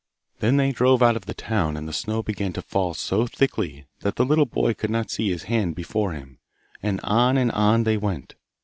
Then they drove out of the town, and the snow began to fall so thickly that the little boy could not see his hand before him, and on and on they went.